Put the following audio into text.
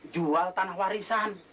jual tanah warisan